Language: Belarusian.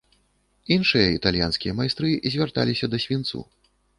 Іншыя італьянскія майстры звярталіся да свінцу.